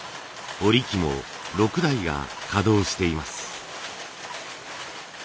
織り機も６台が稼働しています。